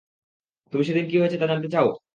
তুমি সেদিন কী হয়েছে তা জানতে চাও?